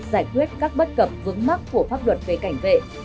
giải quyết các bất cập vướng mắc của pháp luật về cảnh vệ